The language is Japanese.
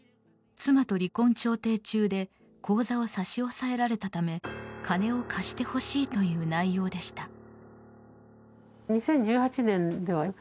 妻と離婚調停中で口座を差し押さえられたため金を貸してほしいという内容でした。